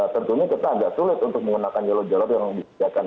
tentunya kita agak sulit untuk menggunakan yolo yolo yang bisa kita gunakan